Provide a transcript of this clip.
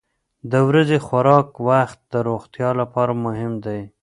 د ورځني خوراک وخت د روغتیا لپاره مهم دی.